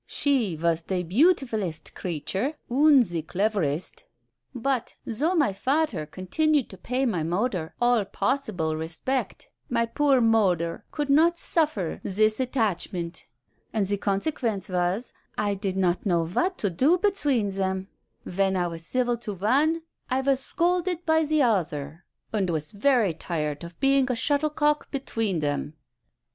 She was the beautifullest creature and the cleverest, but, though my fader continued to pay my moder all possible respect, my poor moder could not suffer this attachment. And de consequence was, I did not know what to do between them; when I was civil to one, I was scolded by the other, and was very tired of being shuttlecock between them."